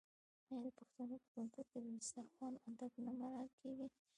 آیا د پښتنو په کلتور کې د دسترخان اداب نه مراعات کیږي؟